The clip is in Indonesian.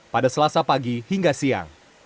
pada selasa pagi hingga siang